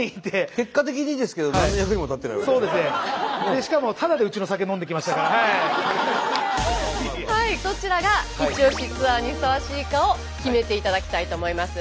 結果的にですけどどちらがイチオシツアーにふさわしいかを決めていただきたいと思います。